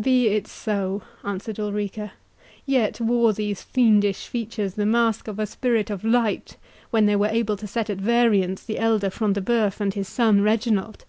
"Be it so," answered Ulrica; "yet wore these fiendish features the mask of a spirit of light when they were able to set at variance the elder Front de Bœuf and his son Reginald!